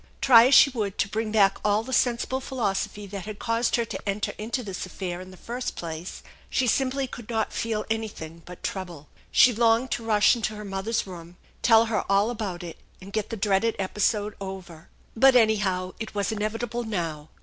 Try us she would to bring back all the sensible philosophy that had eaused her to enter into this affair in the first place, she simply could not feel anything but trouble. She longed to rush into her mother's room, tell her all about it, and get the dreaded episode over. But anyhow it was inevitable now.